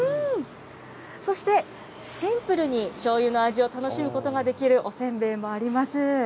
そして、シンプルにしょうゆの味を楽しむことができるおせんべいもあります。